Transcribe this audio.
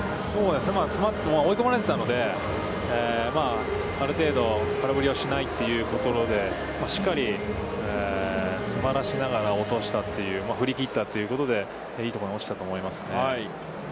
詰まって追い込まれてたので、ある程度、空振りをしないというところで、しっかり詰まらせながら、落とした、振りきったということで、いいところに落ちたと思いますね。